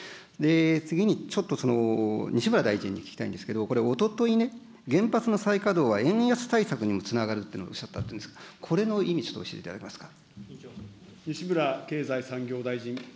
次に、ちょっと西村大臣に聞きたいんですけど、これ、おととい、原発の再稼働は円安対策にもつながるというふうにおっしゃったっていうんですけど、これの意味、ちょっと教えていただけますか。